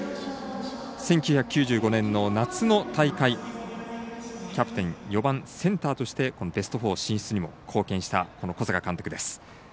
１９９５年の夏の大会キャプテン４番、センターとしてベスト４進出にも貢献した小坂監督です。